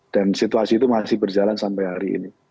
dan situasi itu masih berjalan sampai hari ini